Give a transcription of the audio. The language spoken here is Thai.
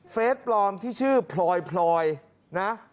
ปลอมที่ชื่อพลอยนะ